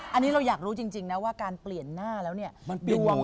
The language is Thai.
อันนี้เราอยากรู้จริงนะว่าการเปลี่ยนหน้าแล้วเนี่ยดวง